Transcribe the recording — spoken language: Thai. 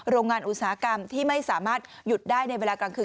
โรงงานอุตสาหกรรมที่ไม่สามารถหยุดได้ในเวลากลางคืน